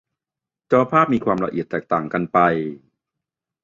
จอภาพมีความละเอียดแตกต่างกันไป